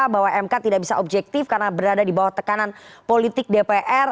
bahwa mk tidak bisa objektif karena berada di bawah tekanan politik dpr